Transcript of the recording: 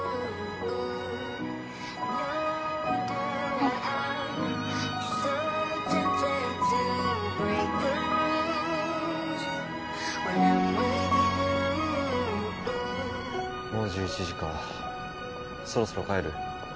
はいもう１１時かそろそろ帰る？